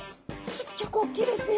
すっギョくおっきいですね。